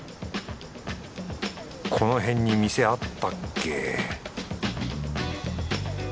このへんに店あったっけ